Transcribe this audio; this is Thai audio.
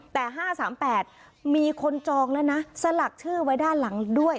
แต่๕๓๘มีคนจองแล้วนะสลักชื่อไว้ด้านหลังด้วย